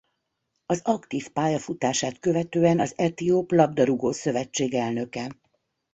Az aktív pályafutását követően az Etióp labdarúgó-szövetség elnöke.